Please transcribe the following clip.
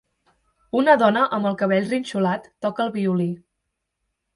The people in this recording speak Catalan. Una dona amb el cabell rinxolat toca el violí